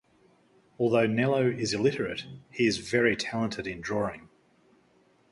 Although Nello is illiterate, he is very talented in drawing.